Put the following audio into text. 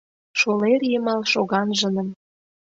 Шолер йымал шоганжыным